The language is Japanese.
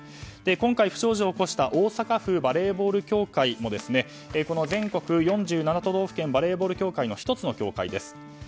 今回、不祥事を起こした大阪府バレーボール協会もこの全国４７都道府県バレーボール協会の１つの協会です。